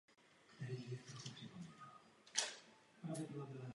Při těžkém napadení rostliny dochází k úhynu.